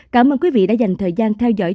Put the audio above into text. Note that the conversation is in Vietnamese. cảm ơn quý vị đã dành thời gian theo dõi